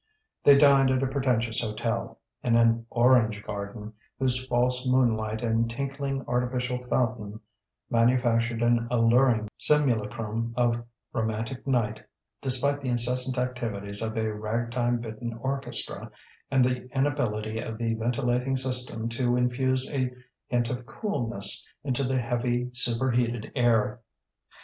They dined at a pretentious hotel, in an "Orange Garden" whose false moonlight and tinkling, artificial fountain manufactured an alluring simulacrum of romantic night, despite the incessant activities of a ragtime bitten orchestra and the inability of the ventilating system to infuse a hint of coolness into the heavy, superheated air.